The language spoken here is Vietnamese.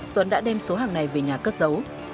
tuấn đã đem số hàng này về nhà cất giấu